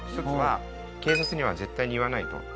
１つは警察には絶対に言わないと。